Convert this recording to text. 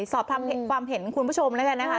สอบทำความเห็นคุณผู้ชมแล้วกันนะคะ